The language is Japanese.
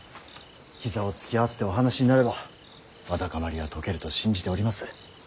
膝を突き合わせてお話しになればわだかまりは解けると信じております。